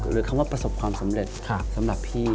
คำว่าประสบความสำเร็จสำหรับพี่